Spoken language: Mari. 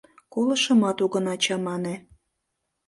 Колышымат огына чамане...